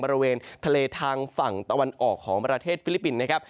บริเวณทะเลทางฝั่งตะวันออกของประเทศฟิลิปปินส์นะครับ